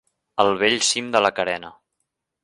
Al bell cim de la carena.